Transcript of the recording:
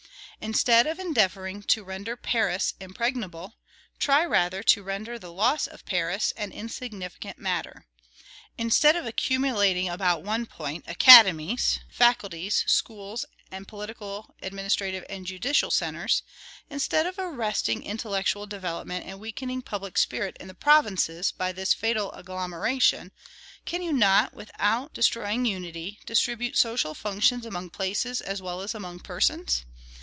Instead of endeavoring to render Paris impregnable, try rather to render the loss of Paris an insignificant matter. Instead of accumulating about one point academies, faculties, schools, and political, administrative, and judicial centres; instead of arresting intellectual development and weakening public spirit in the provinces by this fatal agglomeration, can you not, without destroying unity, distribute social functions among places as well as among persons?